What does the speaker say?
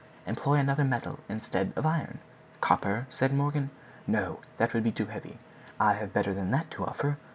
"Employ another metal instead of iron." "Copper?" said Morgan. "No! that would be too heavy. I have better than that to offer."